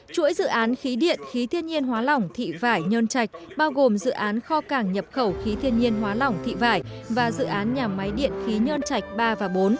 chuỗi dự án khí điện khí thiên nhiên hóa lỏng thị vải nhân chạch bao gồm dự án kho cảng nhập khẩu khí thiên nhiên hóa lỏng thị vải và dự án nhà máy điện khí nhân chạch ba và bốn